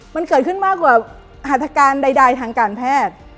มันเกิดขึ้นมากกว่าหัตการใดทางการแพทย์